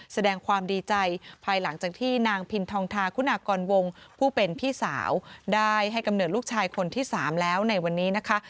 แสดงความดีใจภายหลังจากที่นางพินทองทาคุณากรวงผู้เป็นพี่สาวได้ให้กำเนิดลูกชายคนที่๓แล้วในวันนี้นะคะ